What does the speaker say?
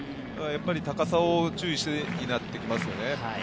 高さを注意してになってきますよね。